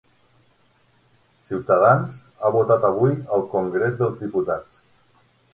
Ciutadans ha votat avui al congrés dels diputats